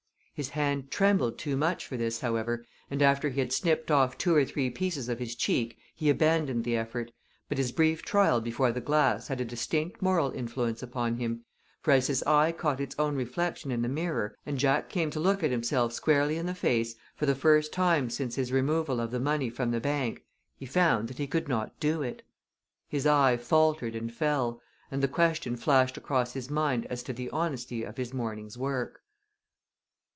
His hand trembled too much for this, however, and after he had snipped off two or three pieces of his cheek he abandoned the effort, but his brief trial before the glass had a distinct moral influence upon him, for as his eye caught its own reflection in the mirror, and Jack came to look himself squarely in the face for the first time since his removal of the money from the bank, he found that he could not do it. His eye faltered and fell, and the question flashed across his mind as to the honesty of his morning's work.